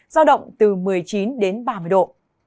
giao động từ một mươi chín đến ba mươi độ